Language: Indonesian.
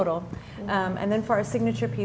dan untuk bisnis seni